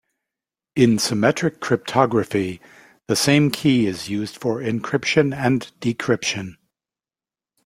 In symmetric cryptography the same key is used for encryption and decryption.